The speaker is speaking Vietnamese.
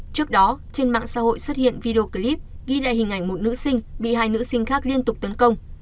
trước đó trên mạng xã hội xuất hiện video clip ghi lại hình ảnh một nữ sinh bị hai nữ sinh khác liên tục tấn công